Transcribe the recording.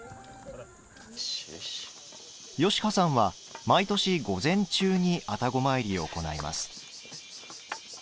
吉羽さんは、毎年午前中に愛宕詣りを行います。